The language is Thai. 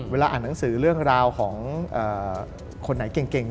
อ่านหนังสือเรื่องราวของคนไหนเก่ง